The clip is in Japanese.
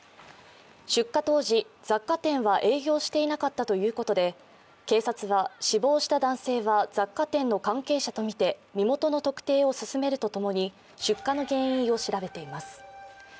出火当時、雑貨店は営業していなっかたということで、警察は死亡した男性は雑貨店の関係者とみて身元の特定を進めるとともに出火の原因を調べています。